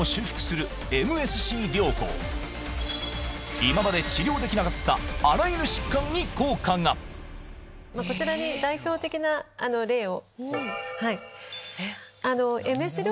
今まで治療できなかったあらゆる疾患に効果がこちらに代表的な例を。